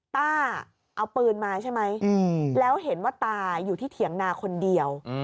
ป้าเอาปืนมาใช่ไหมแล้วเห็นว่าตาอยู่ที่เถียงนาคนเดียว